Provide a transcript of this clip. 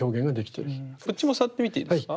こっちも触ってみていいですか？